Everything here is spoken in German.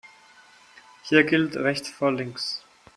Hier gilt rechts vor links.